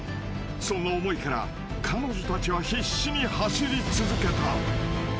［そんな思いから彼女たちは必死に走り続けた］